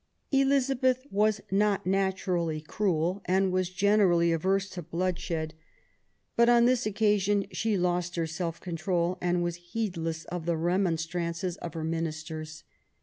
Elizabeth was not naturally cruel and was gener ally averse to bloodshed. But, on this occasion, she lost her self control, and was heedless of the remonstrances of her ministers.